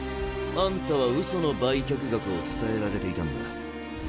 あんたはうその売却額を伝えられていたんだ。